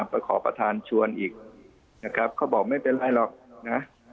ไปขอประธานชวนอีกนะครับเขาบอกไม่เป็นไรหรอกนะ